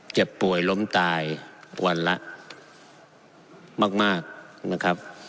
เจ็บป่วยล้มตายวันละมากนะครับ